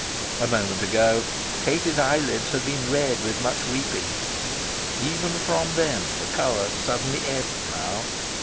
A moment ago, Katie's eyelids had been red with much weeping. Even from them the colour suddenly ebbed now.